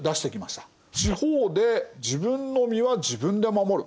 地方で「自分の身は自分で守る」。